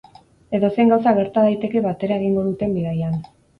Edozein gauza gerta daiteke batera egingo duten bidaian.